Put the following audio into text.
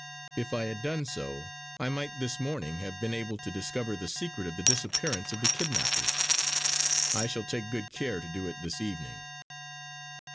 If I had done so, I might this morning have been able to discover the secret of the disappearance of the kidnappers. I shall take good care to do it this evening."